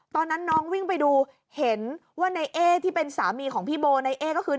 ตอนนั้นน้องวิ่งไปดูเห็นว่าในเอ๊ที่เป็นสามีของพี่โบในเอ๊ก็คือ